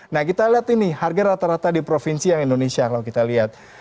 nah kita lihat ini harga rata rata di provinsi yang indonesia kalau kita lihat